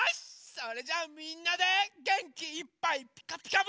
それじゃあみんなでげんきいっぱい「ピカピカブ！」